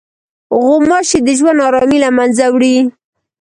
غوماشې د ژوند ارامي له منځه وړي.